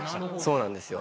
そうなんですよ。